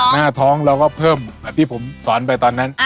หน้าท้องเราก็เพิ่มที่ผมสอนไปตอนนั้น